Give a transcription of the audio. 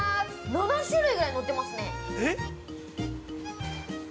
７種類ぐらい、のってますね。